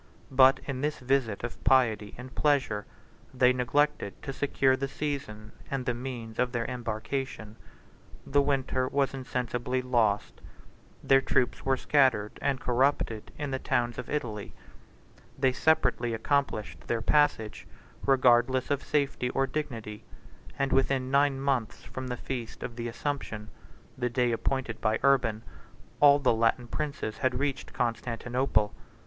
62 But in this visit of piety and pleasure, they neglected to secure the season, and the means of their embarkation: the winter was insensibly lost: their troops were scattered and corrupted in the towns of Italy. They separately accomplished their passage, regardless of safety or dignity; and within nine months from the feast of the Assumption, the day appointed by Urban, all the Latin princes had reached Constantinople.